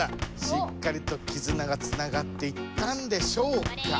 しっかりとキズナがつながっていったんでしょうか。